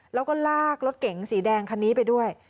แล้วก็ลากรถเก๋งสีแดงคันนี้ไปด้วย